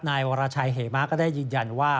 นายวรชัยเหมะก็ได้ยืนยันว่า